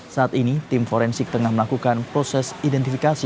saat ini tim forensik tengah melakukan proses identifikasi